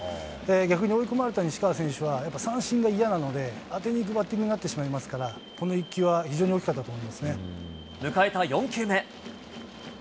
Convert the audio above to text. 逆に追い込まれた西川選手は、やっぱり三振が嫌なので、当てにいくバッティングになってしまいますから、この１球は非常迎えた４球目。